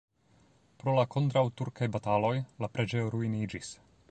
Pro la kontraŭturkaj bataloj la preĝejo ruiniĝis.